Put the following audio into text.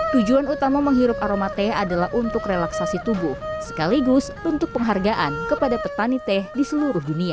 tujuan utama menghirup aroma teh adalah untuk relaksasi tubuh sekaligus untuk penghargaan kepada petani teh di seluruh dunia